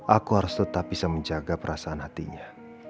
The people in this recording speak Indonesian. aku harus tetap bisa menjaga perasaan hatinya